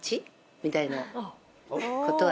みたいなことは。